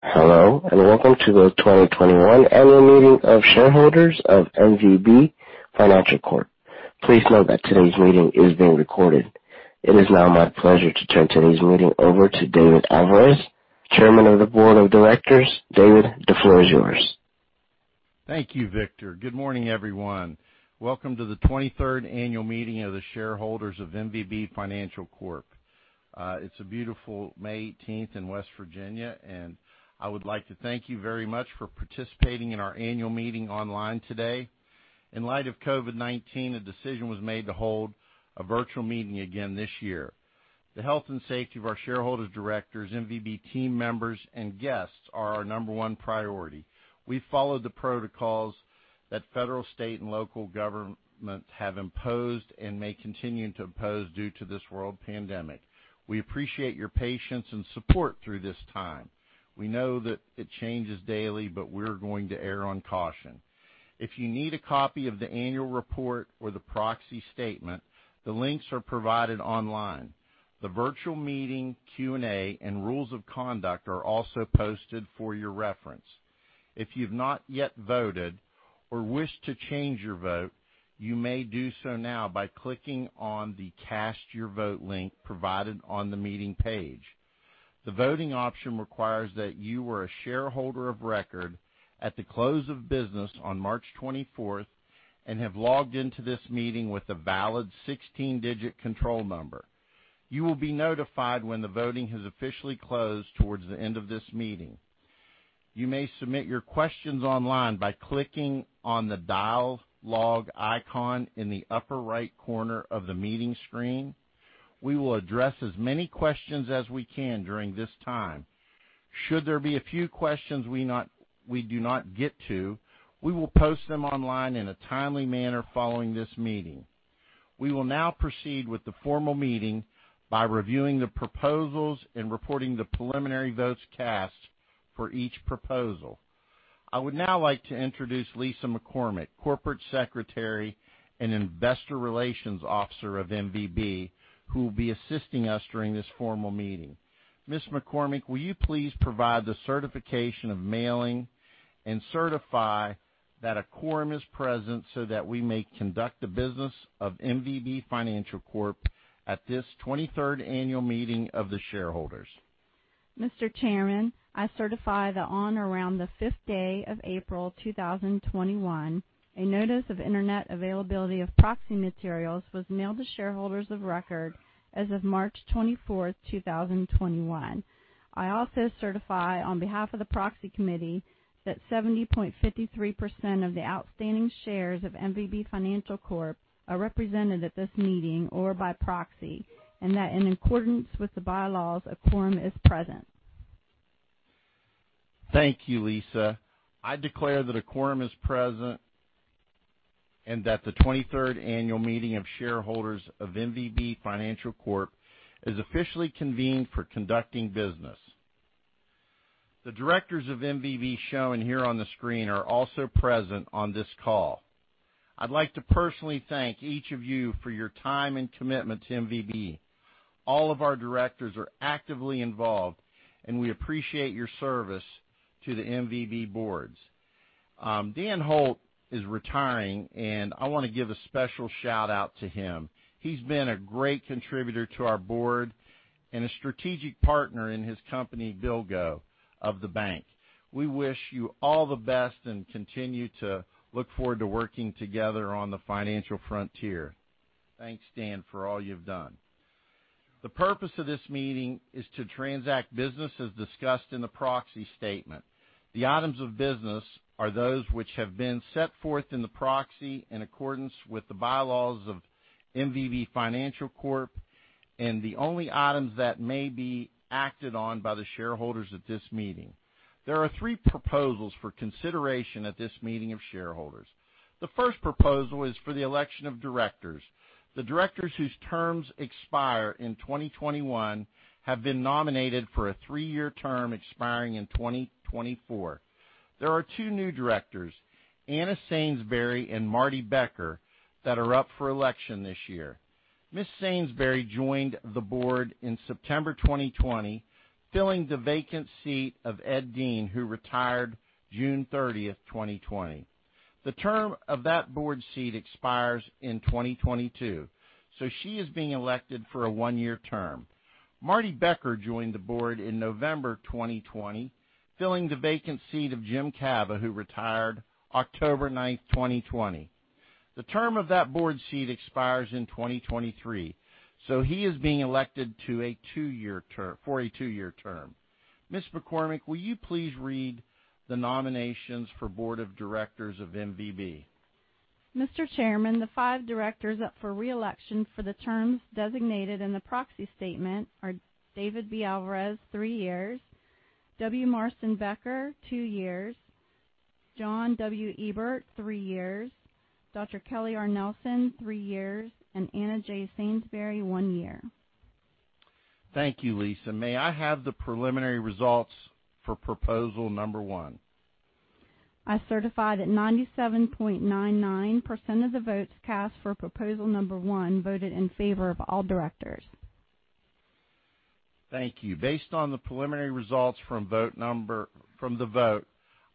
Hello, welcome to the 2021 Annual Meeting of Shareholders of MVB Financial Corp. Please note that today's meeting is being recorded. It is now my pleasure to turn today's meeting over to David Alvarez, Chairman of the Board of Directors. David, the floor is yours. Thank you, Victor. Good morning, everyone. Welcome to the 23rd Annual Meeting of the Shareholders of MVB Financial Corp. It's a beautiful May 18th in West Virginia, and I would like to thank you very much for participating in our annual meeting online today. In light of COVID-19, a decision was made to hold a virtual meeting again this year. The health and safety of our shareholders, directors, MVB team members, and guests are our number one priority. We followed the protocols that federal, state, and local governments have imposed and may continue to impose due to this world pandemic. We appreciate your patience and support through this time. We know that it changes daily, but we're going to err on caution. If you need a copy of the annual report or the proxy statement, the links are provided online. The virtual meeting Q&A and rules of conduct are also posted for your reference. If you've not yet voted or wish to change your vote, you may do so now by clicking on the Cast Your Vote link provided on the meeting page. The voting option requires that you were a shareholder of record at the close of business on March 24th and have logged into this meeting with a valid 16-digit control number. You will be notified when the voting has officially closed towards the end of this meeting. You may submit your questions online by clicking on the dialogue icon in the upper right corner of the meeting screen. We will address as many questions as we can during this time. Should there be a few questions we do not get to, we will post them online in a timely manner following this meeting. We will now proceed with the formal meeting by reviewing the proposals and reporting the preliminary votes cast for each proposal. I would now like to introduce Lisa McCormick, Corporate Secretary and Investor Relations Officer of MVB, who will be assisting us during this formal meeting. Ms. McCormick, will you please provide the certification of mailing and certify that a quorum is present so that we may conduct the business of MVB Financial Corp. at this 23rd Annual Meeting of the Shareholders? Mr. Chairman, I certify that on or around the fifth day of April 2021, a notice of internet availability of proxy materials was mailed to shareholders of record as of March 24th, 2021. I also certify on behalf of the Proxy Committee that 70.53% of the outstanding shares of MVB Financial Corp. are represented at this meeting or by proxy, and that in accordance with the bylaws, a quorum is present. Thank you, Lisa. I declare that a quorum is present and that the 23rd Annual Meeting of Shareholders of MVB Financial Corp. is officially convened for conducting business. The directors of MVB shown here on the screen are also present on this call. I'd like to personally thank each of you for your time and commitment to MVB. All of our directors are actively involved, and we appreciate your service to the MVB boards. Dan Holt is retiring, and I want to give a special shout-out to him. He's been a great contributor to our board and a strategic partner in his company, BillGO, of the bank. We wish you all the best and continue to look forward to working together on the financial frontier. Thanks, Dan, for all you've done. The purpose of this meeting is to transact business as discussed in the proxy statement. The items of business are those which have been set forth in the proxy in accordance with the bylaws of MVB Financial Corp, and the only items that may be acted on by the shareholders at this meeting. There are three proposals for consideration at this meeting of shareholders. The first proposal is for the election of directors. The directors whose terms expire in 2021 have been nominated for a three-year term expiring in 2024. There are two new directors, Anna Sainsbury and Marston Becker, that are up for election this year. Ms. Sainsbury joined the board in September 2020, filling the vacant seat of Ed Dean, who retired June 30th, 2020. The term of that board seat expires in 2022, so she is being elected for a one-year term. Marston Becker joined the board in November 2020, filling the vacant seat of James Cava, Jr., who retired October 9th, 2020. The term of that board seat expires in 2023, so he is being elected for a two-year term. Ms. McCormick, will you please read the nominations for board of directors of MVB? Mr. Chairman, the five directors up for re-election for the terms designated in the proxy statement are David B. Alvarez, three years, W. Marston Becker, two years, John W. Ebert, three years, Dr. Kelly R. Nelson, three years, and Anna J. Sainsbury, one year. Thank you, Lisa. May I have the preliminary results for proposal number one? I certified that 97.99% of the votes cast for proposal number one voted in favor of all directors. Thank you. Based on the preliminary results from the vote,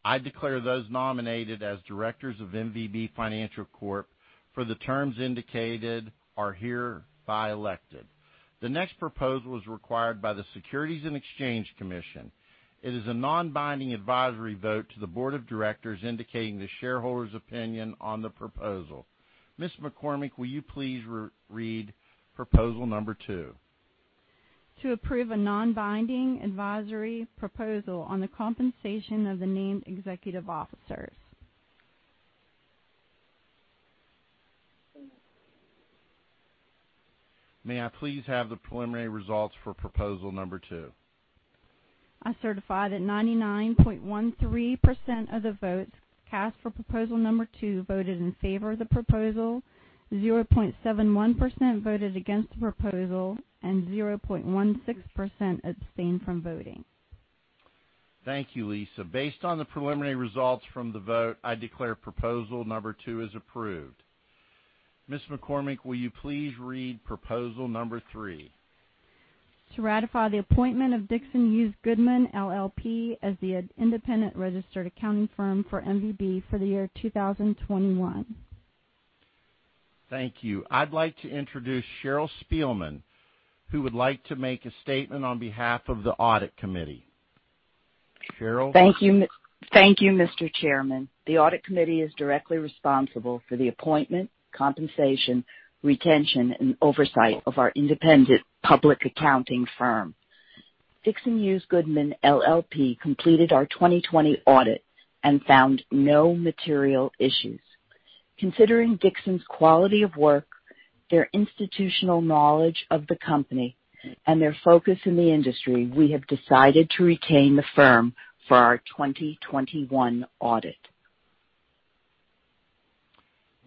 I declare those nominated as directors of MVB Financial Corp. for the terms indicated are hereby elected. The next proposal is required by the Securities and Exchange Commission. It is a non-binding advisory vote to the board of directors indicating the shareholders' opinion on the proposal. Ms. McCormick, will you please read proposal number two? To approve a non-binding advisory proposal on the compensation of the named executive officers. May I please have the preliminary results for proposal number two? I certified that 99.13% of the votes cast for proposal number two voted in favor of the proposal, 0.71% voted against the proposal, and 0.16% abstained from voting. Thank you, Lisa. Based on the preliminary results from the vote, I declare proposal number two is approved. Ms. McCormick, will you please read proposal number three? To ratify the appointment of Dixon Hughes Goodman LLP as the independent registered accounting firm for MVB for the year 2021. Thank you. I'd like to introduce Cheryl Spielman, who would like to make a statement on behalf of the audit committee. Cheryl? Thank you, Mr. Chairman. The audit committee is directly responsible for the appointment, compensation, retention, and oversight of our independent public accounting firm. Dixon Hughes Goodman LLP completed our 2020 audit and found no material issues. Considering Dixon's quality of work, their institutional knowledge of the company, and their focus in the industry, we have decided to retain the firm for our 2021 audit.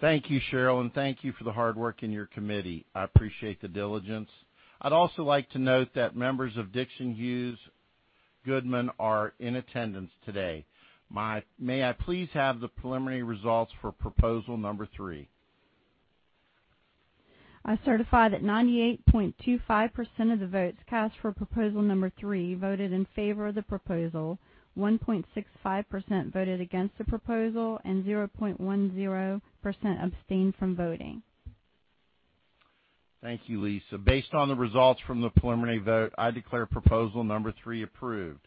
Thank you, Cheryl, and thank you for the hard work in your committee. I appreciate the diligence. I'd also like to note that members of Dixon Hughes Goodman are in attendance today. May I please have the preliminary results for proposal number three? I certified that 98.25% of the votes cast for proposal number three voted in favor of the proposal, 1.65% voted against the proposal, and 0.10% abstained from voting. Thank you, Lisa. Based on the results from the preliminary vote, I declare proposal number three approved.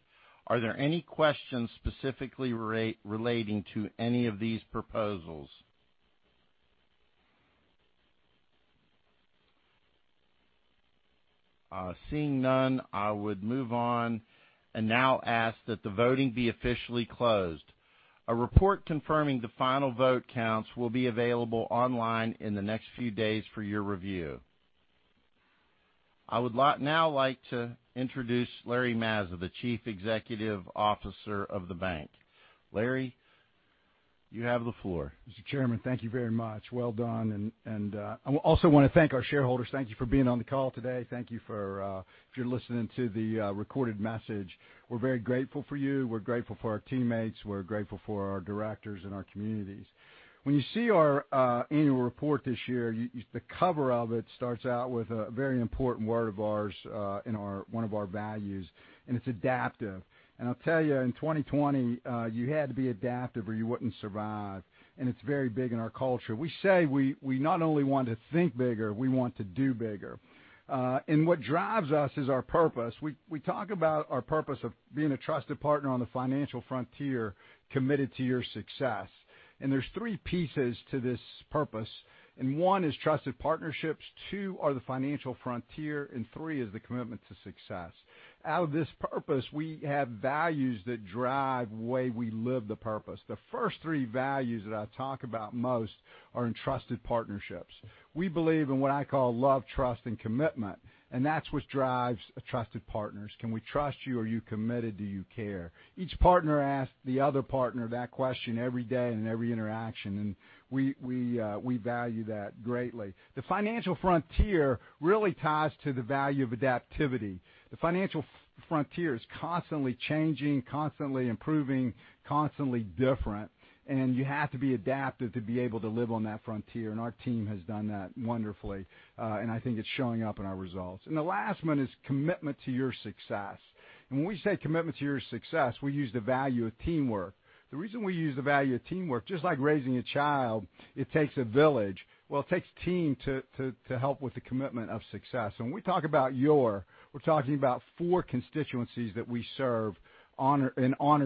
Are there any questions specifically relating to any of these proposals? Seeing none, I would move on and now ask that the voting be officially closed. A report confirming the final vote counts will be available online in the next few days for your review. I would now like to introduce Larry Mazza, the Chief Executive Officer of the bank. Larry, you have the floor. Mr. Chairman, thank you very much. Well done. I also want to thank our shareholders. Thank you for being on the call today. Thank you if you're listening to the recorded message. We're very grateful for you. We're grateful for our teammates. We're grateful for our directors and our communities. When you see our annual report this year, the cover of it starts out with a very important word of ours in one of our values, and it's adaptive. I'll tell you, in 2020, you had to be adaptive or you wouldn't survive. It's very big in our culture. We say we not only want to think bigger, we want to do bigger. What drives us is our purpose. We talk about our purpose of being a trusted partner on the financial frontier committed to your success. There's three pieces to this purpose, and one is trusted partnerships, two are the financial frontier, and three is the commitment to success. Out of this purpose, we have values that drive the way we live the purpose. The first three values that I talk about most are in trusted partnerships. We believe in what I call love, trust, and commitment, and that's what drives trusted partners. Can we trust you? Are you committed? Do you care? Each partner asks the other partner that question every day and every interaction, and we value that greatly. The financial frontier really ties to the value of adaptivity. The financial frontier is constantly changing, constantly improving, constantly different, and you have to be adaptive to be able to live on that frontier, and our team has done that wonderfully, and I think it's showing up in our results. The last one is commitment to your success. When we say commitment to your success, we use the value of teamwork. The reason we use the value of teamwork, just like raising a child, it takes a village. It takes a team to help with the commitment of success. When we talk about your, we're talking about four constituencies that we serve and honor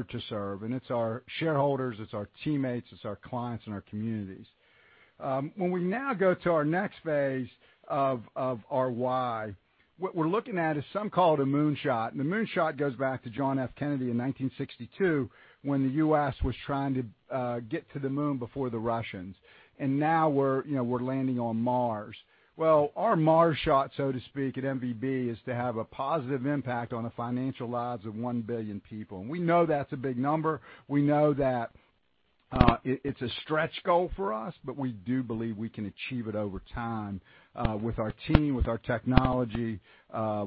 to serve, and it's our shareholders, it's our teammates, it's our clients, and our communities. When we now go to our next phase of our why, what we're looking at is some call it a moonshot. The moonshot goes back to John F. Kennedy in 1962 when the U.S. was trying to get to the moon before the Russians. Now we're landing on Mars. Well, our Mars shot, so to speak, at MVB is to have a positive impact on the financial lives of 1 billion people. We know that's a big number. We know that it's a stretch goal for us, we do believe we can achieve it over time with our team, with our technology,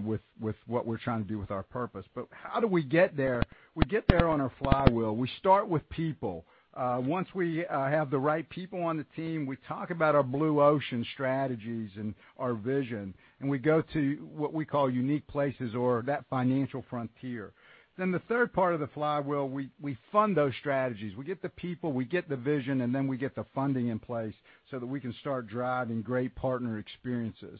with what we're trying to do with our purpose. How do we get there? We get there on our flywheel. We start with people. Once we have the right people on the team, we talk about our Blue Ocean Strategies and our vision, we go to what we call unique places or that financial frontier. The third part of the flywheel, we fund those strategies. We get the people, we get the vision, we get the funding in place so that we can start driving great partner experiences.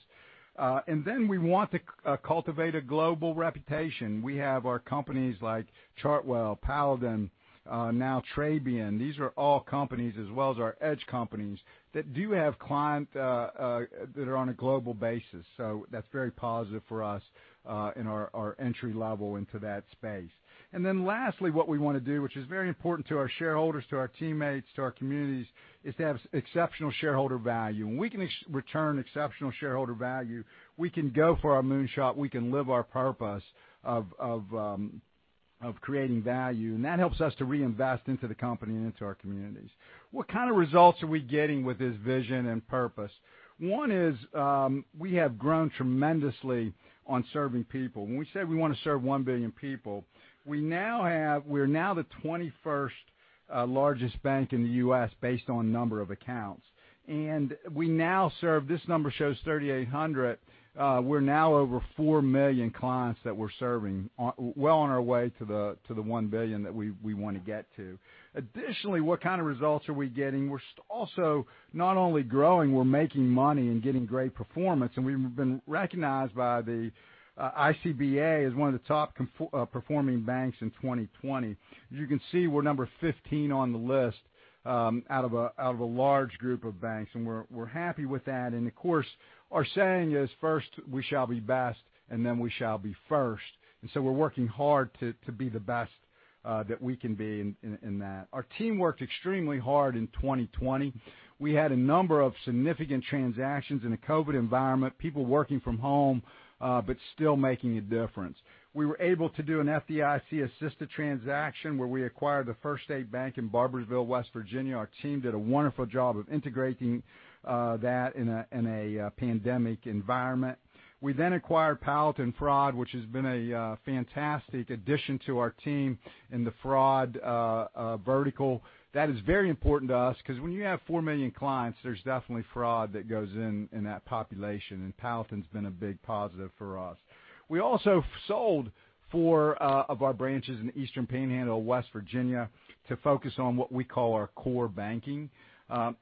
We want to cultivate a global reputation. We have our companies like Chartwell, Paladin, now Trabian. These are all companies, as well as our edge companies, that do have clients that are on a global basis. That's very positive for us in our entry level into that space. Lastly, what we want to do, which is very important to our shareholders, to our teammates, to our communities, is to have exceptional shareholder value. When we can return exceptional shareholder value, we can go for our moonshot, we can live our purpose of creating value. That helps us to reinvest into the company and into our communities. What kind of results are we getting with this vision and purpose? One is we have grown tremendously on serving people. When we say we want to serve 1 billion people, we're now the 21st largest bank in the U.S. based on number of accounts. We now serve, this number shows 3,800. We're now over 4 million clients that we're serving, well on our way to the 1 billion that we want to get to. Additionally, what kind of results are we getting? We're also not only growing, we're making money and getting great performance. We've been recognized by the ICBA as one of the top performing banks in 2020. You can see we're number 15 on the list out of a large group of banks, and we're happy with that. Of course, our saying is, "First we shall be best, and then we shall be first." We're working hard to be the best that we can be in that. Our team worked extremely hard in 2020. We had a number of significant transactions in a COVID-19 environment, people working from home, but still making a difference. We were able to do an FDIC-assisted transaction where we acquired The First State Bank in Barboursville, West Virginia. Our team did a wonderful job of integrating that in a pandemic environment. We acquired Paladin Fraud, which has been a fantastic addition to our team in the fraud vertical. That is very important to us because when you have 4 million clients, there's definitely fraud that goes in in that population, and Paladin's been a big positive for us. We also sold four of our branches in Eastern Panhandle, West Virginia, to focus on what we call our core banking.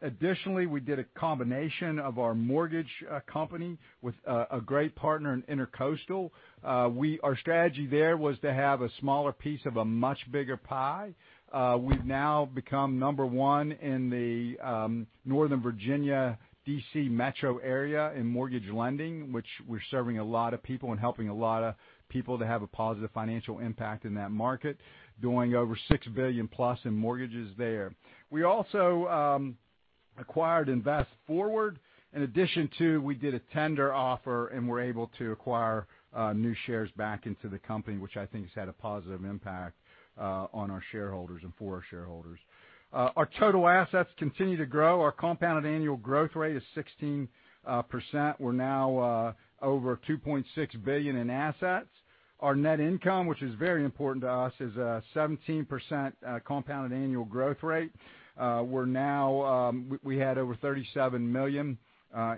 Additionally, we did a combination of our mortgage company with a great partner in Intercoastal. Our strategy there was to have a smaller piece of a much bigger pie. We've now become number one in the Northern Virginia, D.C. metro area in mortgage lending, which we're serving a lot of people and helping a lot of people to have a positive financial impact in that market, doing over $6 billion+ in mortgages there. We also acquired Invest Forward. In addition too, we did a tender offer and were able to acquire new shares back into the company, which I think has had a positive impact on our shareholders and for our shareholders. Our total assets continue to grow. Our compounded annual growth rate is 16%. We're now over $2.6 billion in assets. Our net income, which is very important to us, is a 17% compounded annual growth rate. We had over $37 million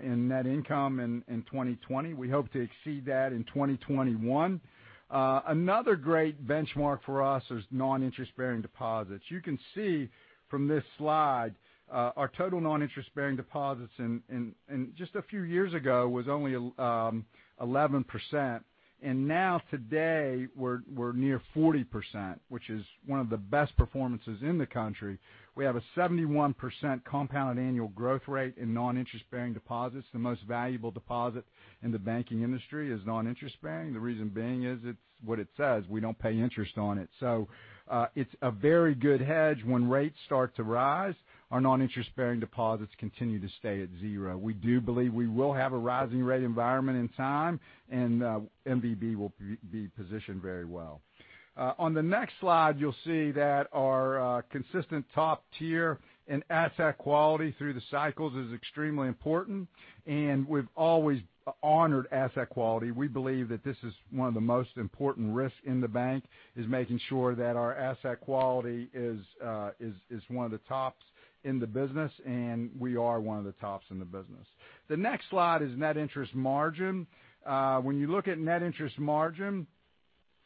in net income in 2020. We hope to exceed that in 2021. Another great benchmark for us is non-interest-bearing deposits. You can see from this slide, our total non-interest-bearing deposits just a few years ago was only 11%. Now today, we're near 40%, which is one of the best performances in the country. We have a 71% compound annual growth rate in non-interest-bearing deposits. The most valuable deposit in the banking industry is non-interest-bearing. The reason being is it's what it says. We don't pay interest on it. It's a very good hedge when rates start to rise. Our non-interest-bearing deposits continue to stay at zero. We do believe we will have a rising rate environment in time, and MVB will be positioned very well. On the next slide, you'll see that our consistent top tier in asset quality through the cycles is extremely important, and we've always honored asset quality. We believe that this is one of the most important risks in the bank is making sure that our asset quality is one of the tops in the business, and we are one of the tops in the business. The next slide is net interest margin. When you look at net interest margin.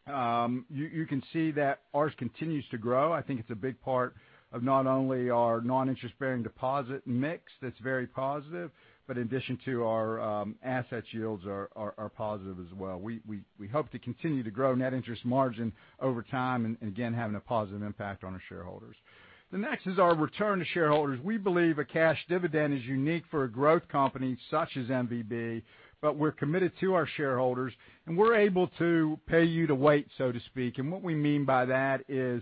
You can see that ours continues to grow. I think it's a big part of not only our non-interest-bearing deposit mix that's very positive, but in addition to our asset yields are positive as well. We hope to continue to grow net interest margin over time and again, having a positive impact on our shareholders. The next is our return to shareholders. We believe a cash dividend is unique for a growth company such as MVB, but we're committed to our shareholders, and we're able to pay you to wait, so to speak. What we mean by that is,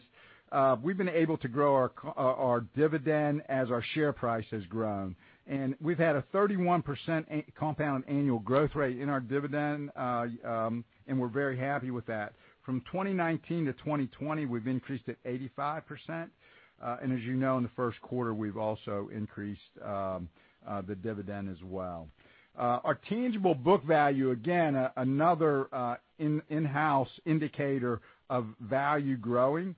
we've been able to grow our dividend as our share price has grown, and we've had a 31% compound annual growth rate in our dividend, and we're very happy with that. From 2019-2020, we've increased it 85%. As you know, in the first quarter, we've also increased the dividend as well. Our tangible book value, again, another in-house indicator of value growing.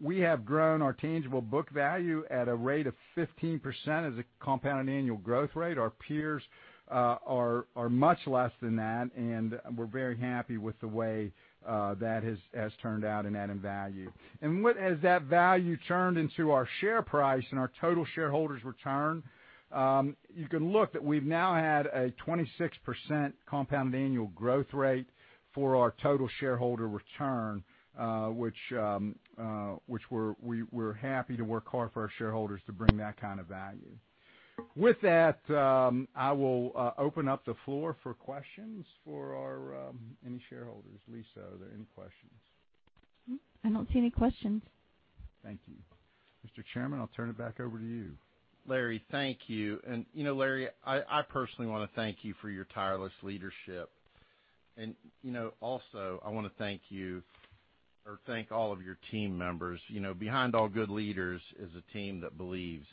We have grown our tangible book value at a rate of 15% as a compound annual growth rate. Our peers are much less than that, and we're very happy with the way that has turned out in adding value. As that value turned into our share price and our total shareholders return, you can look that we've now had a 26% compound annual growth rate for our total shareholder return, which we're happy to work hard for our shareholders to bring that kind of value. With that, I will open up the floor for questions for any shareholders. Lisa, are there any questions? I don't see any questions. Thank you. Mr. Chairman, I'll turn it back over to you. Larry, thank you. Larry, I personally want to thank you for your tireless leadership. Also, I want to thank you or thank all of your team members. Behind all good leaders is a team that believes.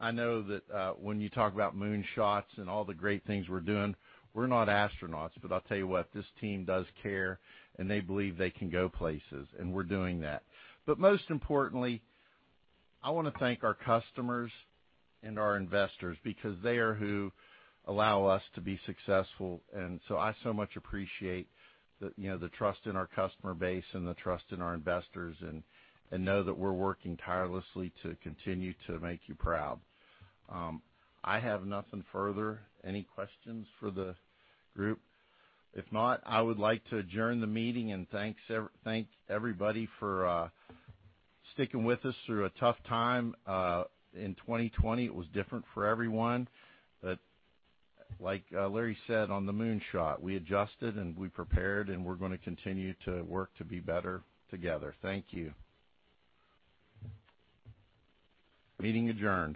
I know that when you talk about moonshots and all the great things we're doing, we're not astronauts. I'll tell you what, this team does care, and they believe they can go places, and we're doing that. Most importantly, I want to thank our customers and our investors because they are who allow us to be successful. I so much appreciate the trust in our customer base and the trust in our investors and know that we're working tirelessly to continue to make you proud. I have nothing further. Any questions for the group? If not, I would like to adjourn the meeting and thank everybody for sticking with us through a tough time. In 2020, it was different for everyone, but like Larry said on the moonshot, we adjusted and we prepared, and we're going to continue to work to be better together. Thank you. Meeting adjourned.